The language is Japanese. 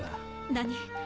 何？